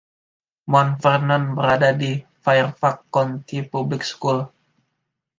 Mount Vernon berada di Fairfax County Public School.